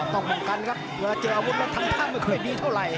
ต้องบนกันครับเวลาจะเอาอพุ่มมือทำตามไม่ค่อยดีเท่าไหร่